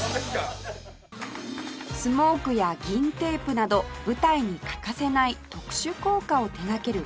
スモークや銀テープなど舞台に欠かせない特殊効果を手がける